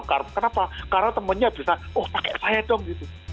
karena kenapa karena temennya bisa oh pakai saya dong gitu